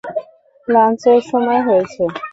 লাঞ্চের সময় হয়েছে?